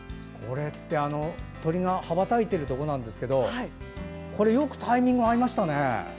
鳥が羽ばたいているところですがよくタイミング合いましたね。